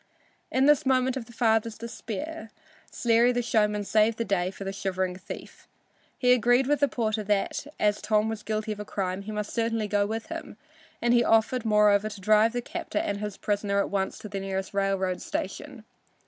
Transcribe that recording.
In this moment of the father's despair, Sleary the showman saved the day for the shivering thief. He agreed with the porter that as Tom was guilty of a crime he must certainly go with him, and he offered, moreover, to drive the captor and his prisoner at once to the nearest railroad station.